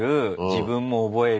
自分も覚える。